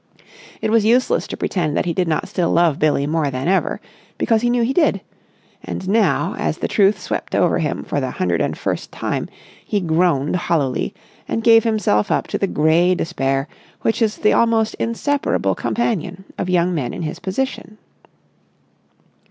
It was useless to pretend that he did not still love Billie more than ever, because he knew he did; and now, as the truth swept over him for the hundred and first time, he groaned hollowly and gave himself up to the grey despair which is the almost inseparable companion of young men in his position.